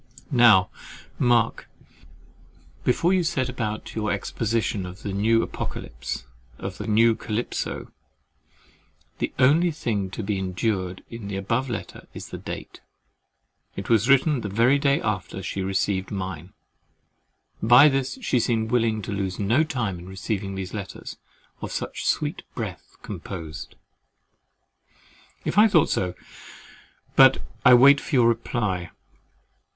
Now mark, before you set about your exposition of the new Apocalypse of the new Calypso, the only thing to be endured in the above letter is the date. It was written the very day after she received mine. By this she seems willing to lose no time in receiving these letters "of such sweet breath composed." If I thought so—but I wait for your reply.